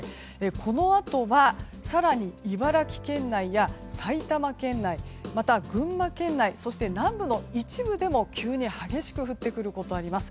このあとは、更に茨城県内や埼玉県内また群馬県内南部の一部でも急に激しく降ってくることになります。